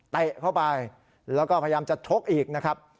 เตะเข้าไปแล้วก็พยายามจะชกอีกนะครับ